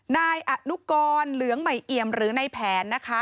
นายอนุกรเหลืองใหม่เอี่ยมหรือในแผนนะคะ